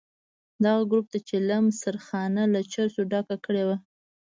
دغه ګروپ د چلم سرخانه له چرسو ډکه کړې وه.